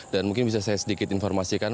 dan mungkin bisa saya sedikit informasikan